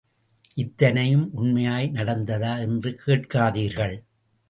இத்தனையும் உண்மையாய் நடந்ததா என்று கேட்காதீர்கள்.